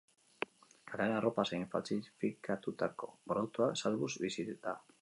Kalean arropa zein faltsifikatutako produktuak salduz bizi da.